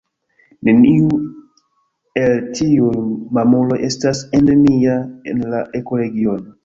Neniu el tiuj mamuloj estas endemia en la ekoregiono.